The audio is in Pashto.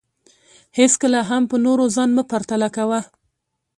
هېڅکله هم په نورو ځان مه پرتله کوه